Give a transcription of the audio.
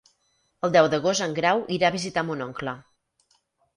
El deu d'agost en Grau irà a visitar mon oncle.